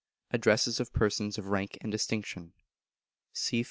Addresses of Persons of Rank and Distinction : 238.